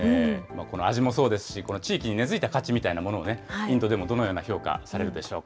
この味もそうですし、地域に根づいた価値みたいなものをね、インドでもどのような評価されるでしょうか。